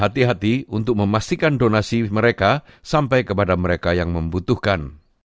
dan donasi mereka sampai kepada mereka yang membutuhkan